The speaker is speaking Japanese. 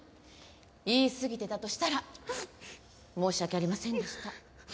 言いすぎてたとしたら申し訳ありませんでした。